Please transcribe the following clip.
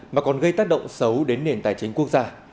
mà còn gây tác động xấu đến nền tài chính quốc gia